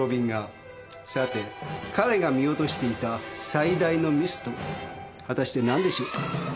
さて彼が見落としていた最大のミスとは果たして何でしょうか。